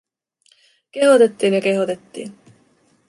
Kehotettiin ja kehotettiin.